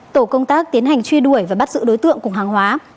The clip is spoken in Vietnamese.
tổ công tác tiến hành truy đuổi và bắt giữ đối tượng cùng hàng hóa